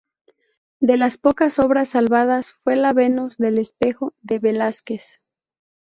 De las pocas obras salvadas fue la "Venus del espejo" de Velázquez.